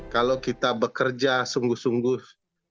kalau kita bekerja sungguh sungguh